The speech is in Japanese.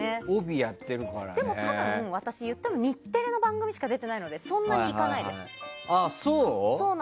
多分、私は日テレの番組しか出てないのでそんなにいかないです。